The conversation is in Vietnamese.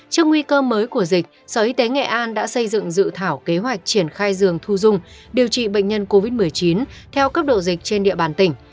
trước nguy cơ mới của dịch sở y tế nghệ an đã xây dựng dự thảo kế hoạch triển khai giường thu dung điều trị bệnh nhân covid một mươi chín theo cấp độ dịch trên địa bàn tỉnh